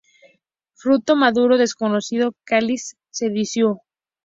Fruto maduro desconocido, cáliz deciduo.